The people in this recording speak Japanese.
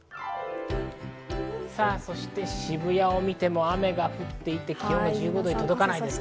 そして渋谷を見ても雨が降っていて、気温１５度に届かないです。